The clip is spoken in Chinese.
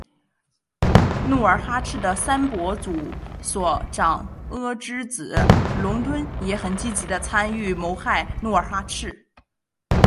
努尔哈赤的三伯祖索长阿之子龙敦也很积极地参与谋害努尔哈赤。